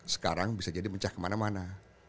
sekarang bisa jadi mencah kemana mana